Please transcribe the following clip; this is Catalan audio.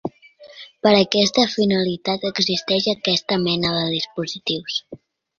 Per a aquesta finalitat existeixen aquesta mena de dispositius.